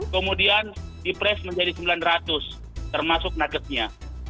kemudian di press menjadi sembilan ratus termasuk nuggetnya